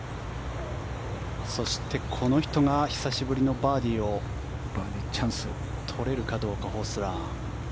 そしてこの人が久しぶりのバーディーを取れるかどうか、ホスラー。